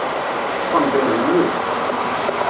Ḍḍfen-d Mhenni.